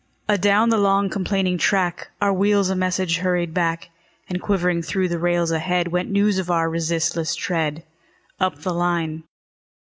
Adown the long, complaining track, Our wheels a message hurried back; And quivering through the rails ahead, Went news of our resistless tread, Up the line.